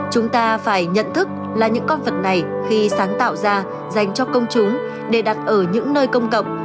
chúng ta phải nhận thức là những con vật này khi sáng tạo ra dành cho công chúng để đặt ở những nơi công cộng